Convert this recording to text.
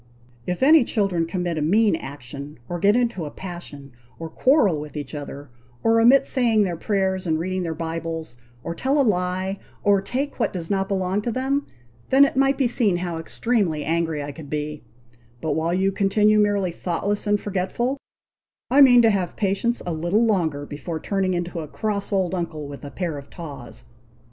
If any children commit a mean action, or get into a passion, or quarrel with each other, or omit saying their prayers and reading their Bibles, or tell a lie, or take what does not belong to them, then it might be seen how extremely angry I could be; but while you continue merely thoughtless and forgetful, I mean to have patience a little longer before turning into a cross old uncle with a pair of tawse."